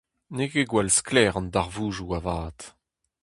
N'eo ket gwall sklaer an darvoudoù avat.